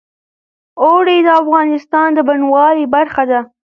اوړي د افغانستان د بڼوالۍ برخه ده.